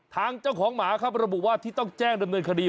ทางเจ้าของหมาครับระบุว่าที่ต้องแจ้งดำเนินคดี